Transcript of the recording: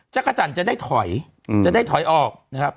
จักรจันทร์จะได้ถอยจะได้ถอยออกนะครับ